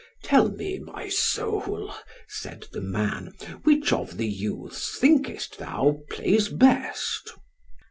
"Tell me, my soul," said the man, "which of the youths thinkest thou plays best?"